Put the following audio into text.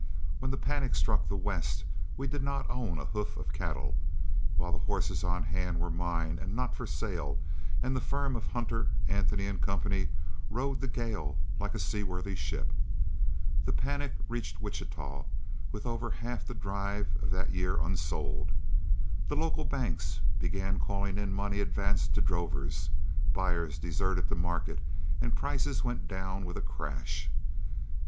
When the panic struck the West we did not own a hoof of cattle, while the horses on hand were mine and not for sale; and the firm of Hunter, Anthony & Co. rode the gale like a seaworthy ship. The panic reached Wichita with over half the drive of that year unsold. The local banks began calling in money advanced to drovers, buyers deserted the market, and prices went down with a crash.